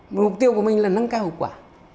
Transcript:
mục tiêu của mình là nâng cao hiệu quả